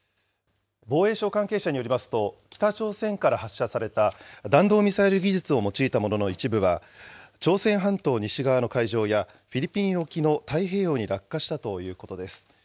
防衛省関係者によりますと、北朝鮮から発射された弾道ミサイルい技術を用いたものの一部は、朝鮮半島の西側の海上や、フィリピン沖の太平洋に落下したということです。